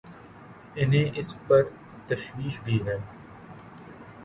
انہیں اس پر تشویش بھی ہے۔